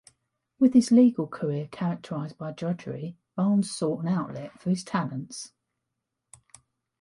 With his legal career characterized by drudgery, Barnes sought an outlet for his talents.